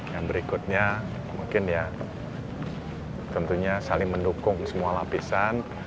yang berikutnya mungkin ya tentunya saling mendukung semua lapisan